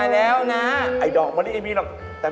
โรคพลาดโรคพลาดกลิ่นมะลิ